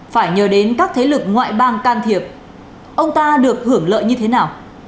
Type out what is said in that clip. phải nhờ đến các thế lực ngoại bang can thiệp ông ta được hưởng lợi như thế nào